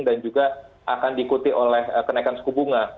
dan juga akan diikuti oleh kenaikan suku bunga